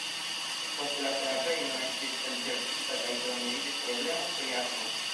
Poste la fera vejno estis elĉerpita kaj krome iĝis problemoj pri akvo.